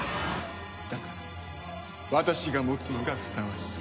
だから私が持つのがふさわしい。